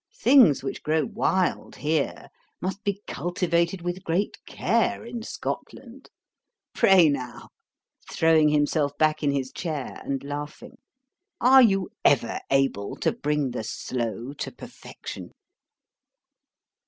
Things which grow wild here, must be cultivated with great care in Scotland. Pray now (throwing himself back in his chair, and laughing,) are you ever able to bring the sloe to perfection?'